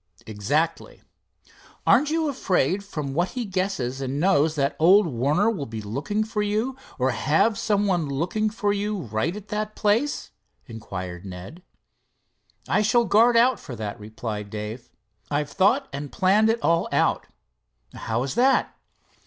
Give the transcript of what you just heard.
"Exactly." "Aren't you afraid from what he guesses and knows, that old Warner will be looking for you, or have some one looking for you right at that place?" inquired Ned. "I shall guard out for that," replied Dave. "I've thought and planned it all out." "How is that?"